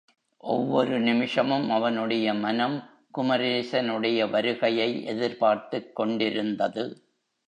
ஒவ்வொரு நிமிஷமும் அவனுடைய மனம் குமரேசனுடைய வருகையை எதிர்பார்த்துக் கொண்டிருந்தது.